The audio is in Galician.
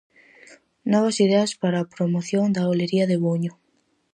Novas ideas para a promoción da Olería de Buño.